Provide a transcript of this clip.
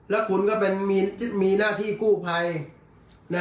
แล้วคุณก็มีหน้าที่กู้ไพร